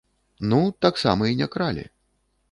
Ну, таксама і не кралі.